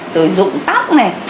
rồi rụng tóc